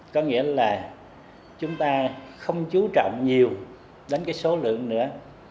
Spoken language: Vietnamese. có nghĩa là chúng ta không chú trọng nhiều đến số lượng nữa